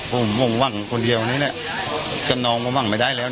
ผมว่างคนเดียวนึงน้องว่างไม่ได้แล้ว